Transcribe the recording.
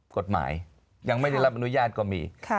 กฎหมายยังไม่ได้รับอนุญาตก็มี